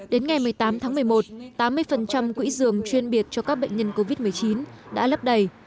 đến ngày một mươi tám tháng một mươi một tám mươi quỹ giường chuyên biệt cho các bệnh nhân covid một mươi chín đã lấp đầy